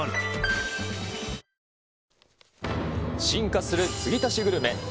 進化する継ぎ足しグルメ。